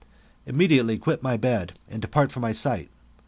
Immediately quit my bed, and depart from my sight.